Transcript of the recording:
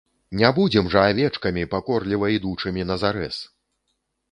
Не будзем жа авечкамі, пакорліва ідучымі на зарэз!